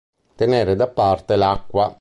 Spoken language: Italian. Tenere da parte l'acqua.